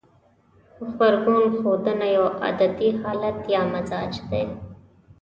غبرګون ښودنه يو عادتي حالت يا مزاج دی.